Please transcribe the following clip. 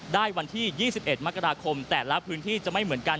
วันที่๒๑มกราคมแต่ละพื้นที่จะไม่เหมือนกัน